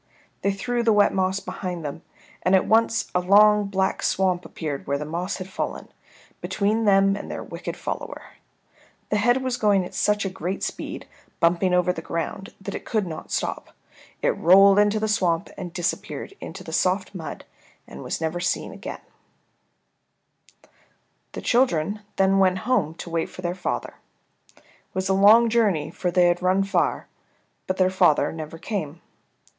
They threw the wet moss behind them, and at once a long black swamp appeared where the moss had fallen, between them and their wicked follower. The head was going at such a great speed, bumping over the ground, that it could not stop. It rolled into the swamp and disappeared into the soft mud and was never seen again. [Illustration: THE BULL RUSHED AT THE MOUNTAIN WITH ALL HIS FORCE] The children then went home to wait for their father. It was a long journey, for they had run far. But their father never came.